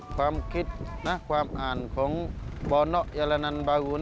ความคิดความอ่านของปยนบารุ